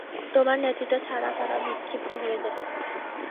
তোমার নেতৃত্ব ছাড়া তারা বিক্ষিপ্ত হয়ে যেতে পারে।